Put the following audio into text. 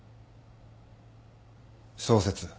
小説。